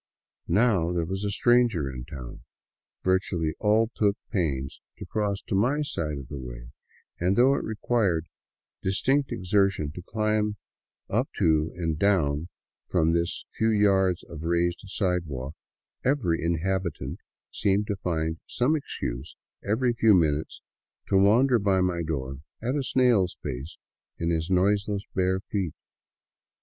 Now there was a stranger in town, virtually all took pains to cross to my side of the way, and though it required a distinct exertion to climb up to and down from this few yards of raised sidewalk, every inhabitant seemed to find some excuse every few min utes to wander by my^door at a snail's pace in his noiseless bare feet.